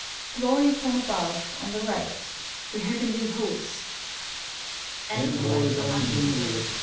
{Glory from above, on the right.) THE HEAVENLY HOST. Envoys, unhindered.